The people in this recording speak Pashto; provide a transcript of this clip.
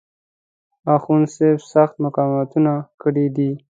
اخوندصاحب سخت مقاومتونه کړي دي.